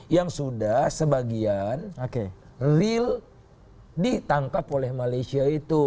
yang sudah sebagian real ditangkap oleh malaysia itu